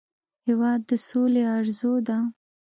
هېواد د سولې ارزو ده.